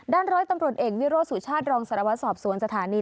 ร้อยตำรวจเอกวิโรธสุชาติรองสารวัตรสอบสวนสถานี